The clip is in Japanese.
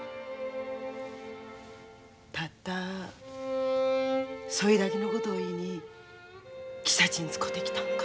たったそいだけのことを言いに汽車賃使うて来たんか？